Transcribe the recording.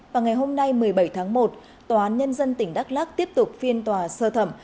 vào ngày hôm nay một mươi bảy tháng một tòa án nhân dân tỉnh đắk lắc tiếp tục phiên tòa sơ thẩm